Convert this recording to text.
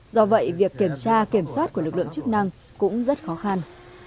do vậy việc kiểm tra kiểm soát của lực lượng chức năng cũng rất khó khăn